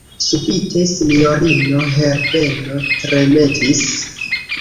Subite sinjorino Herbeno tremetis.